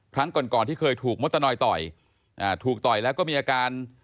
ครั้งก่อนก่อนที่เคยถูกมดตะนอยต่อยถูกต่อยแล้วก็มีอาการ